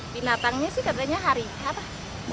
binatangnya sih katanya harimau